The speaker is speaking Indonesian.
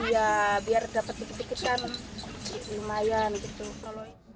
iya biar dapat diketik ketikan lumayan gitu